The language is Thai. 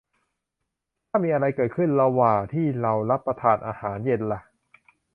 ถ้ามีอะไรเกิดขึ้นระหว่าที่เรารับประทานอาหารเย็นล่ะ